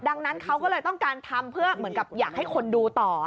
ดังนั้นเขาก็เลยต้องการทำเพื่อเหมือนกับอยากให้คนดูต่อ